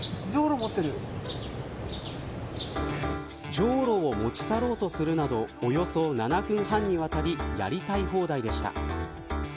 じょうろを持ち去ろうとするなどおよそ７分半にわたりやりたい放題でした。